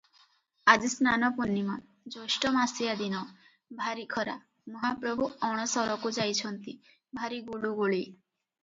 ଆଜି ସ୍ନାନ ପୂର୍ଣ୍ଣୀମା, ଜ୍ୟେଷ୍ଠମାସିଆ ଦିନ, ଭାରୀ ଖରା, ମହାପ୍ରଭୁ ଅଣସରକୁ ଯାଇଛନ୍ତି, ଭାରୀ ଗୁଳୁଗୁଳି ।